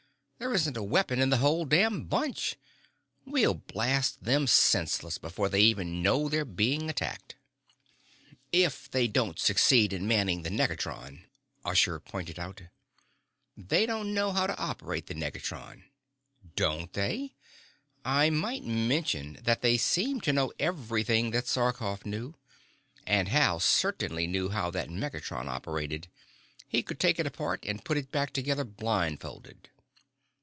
"There isn't a weapon in the whole damned bunch. We'll blast them senseless before they even know they're being attacked." "If they don't succeed in manning the negatron," Usher pointed out. "They don't know how to operate the negatron." "Don't they? I might mention that they seem to know everything that Sarkoff knew. And Hal certainly knew how that negatron operated. He could take it apart and put it back together blind folded."